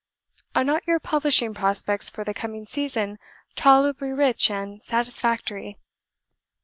Are not your publishing prospects for the coming season tolerably rich and satisfactory?